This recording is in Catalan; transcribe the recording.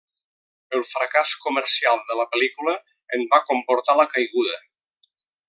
El fracàs comercial de la pel·lícula en va comportar la caiguda.